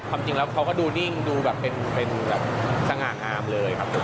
ความจริงแล้วเขาก็ดูนิ่งดูแบบเป็นแบบสง่างามเลยครับ